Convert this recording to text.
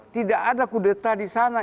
tidak ada kudeta di sana